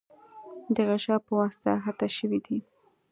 د غشا په واسطه احاطه شوی دی.